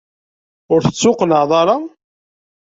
Ur tettuqennɛeḍ ara?